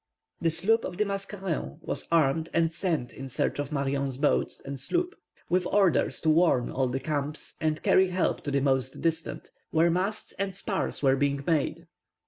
The sloop of the Mascarin was armed and sent in search of Marion's boat and sloop, with orders to warn all the camps, and carry help to the most distant, where masts and spars were being made.